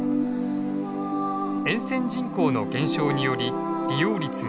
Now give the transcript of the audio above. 沿線人口の減少により利用率が低迷。